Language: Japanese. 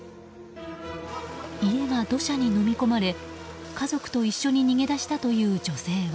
家が土砂にのみ込まれ家族と一緒に逃げだしたという女性は。